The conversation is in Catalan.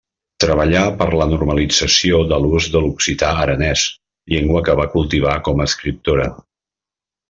Treballà per la normalització de l'ús de l'occità aranès, llengua que va cultivar com a escriptora.